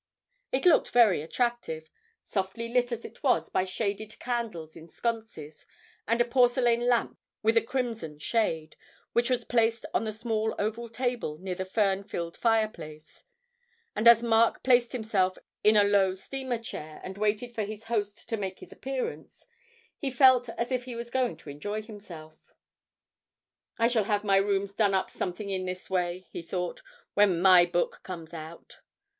It looked very attractive, softly lit as it was by shaded candles in sconces and a porcelain lamp with a crimson shade, which was placed on the small oval table near the fern filled fireplace; and as Mark placed himself in a low steamer chair and waited for his host to make his appearance, he felt as if he was going to enjoy himself. 'I shall have my rooms done up something in this way,' he thought, 'when my book comes out.'